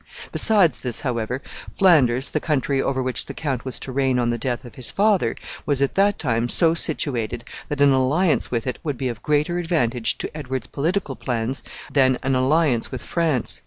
Besides this, however, Flanders, the country over which the count was to reign on the death of his father, was at that time so situated that an alliance with it would be of greater advantage to Edward's political plans than an alliance with France.